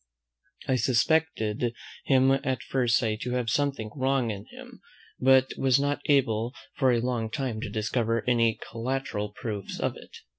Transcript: I suspected him at first sight to have something wrong in him, but was not able for a long time to discover any collateral proofs of it.